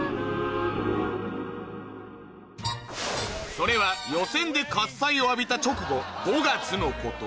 それは予選で喝采を浴びた直後５月のこと